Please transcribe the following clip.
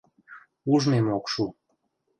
— Ужмем ок шу...